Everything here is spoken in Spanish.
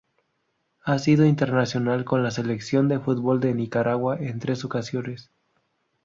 Ha sido internacional con la Selección de fútbol de Nicaragua en tres ocasiones.